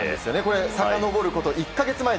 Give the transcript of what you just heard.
さかのぼること１か月前。